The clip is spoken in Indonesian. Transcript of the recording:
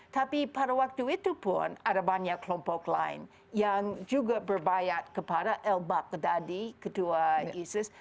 tapi pada waktu itu pun ada banyak kelompok lain yang juga berbayat kepada el bakdadi ketua isis